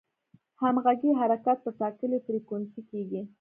همغږي حرکت په ټاکلې فریکونسي کېږي.